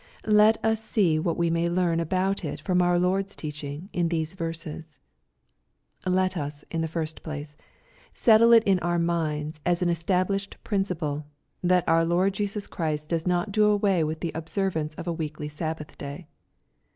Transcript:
Let us see what we may leam about it from our Lord's teaching in these verses. Let us^ in the first place, settle it in our miods as an established principle, that our Lord Jesus Christ does ^t do away with the observance of a weekly Sabbath day.